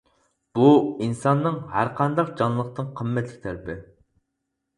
بۇ ئىنساننىڭ ھەر قانداق جانلىقتىن قىممەتلىك تەرىپى.